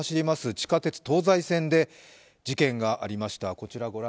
地下鉄東西線で事件がありました。